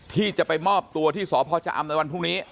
ที่จะไปมอบตัวที่สพชะอำในวันพรุ่งนี้